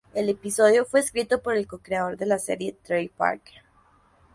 El episodio fue escrito por el co-creador de la serie Trey Parker.